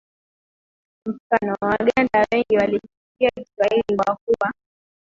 mfano waganda wengi walikichukia kiswahili kwa kuwa